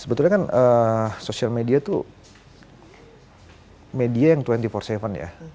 sebetulnya kan social media itu media yang dua puluh empat tujuh ya